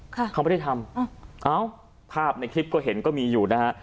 ค่ะเขาไม่ได้ทำอ้าวเอ้าภาพในคลิปก็เห็นก็มีอยู่นะฮะ